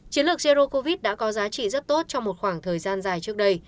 chiến lược zero covid đã có giá trị rất tốt trong một khoảng thời gian dài trước đây